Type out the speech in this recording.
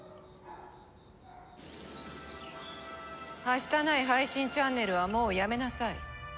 はしたない配信チャンネルはもうやめなさい。